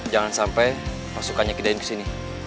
jangan sampai pasukannya kida in ke sini